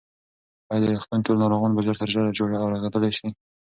ایا د روغتون ټول ناروغان به ژر تر ژره جوړ او رغېدلي شي؟